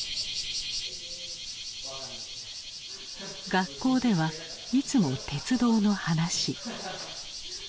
学校ではいつも鉄道の話。